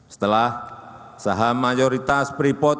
setelah saham mayoritas freeport